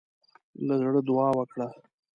له زړۀ دعا وکړه.